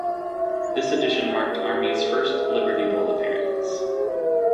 This edition marked Army’s first Liberty Bowl appearance.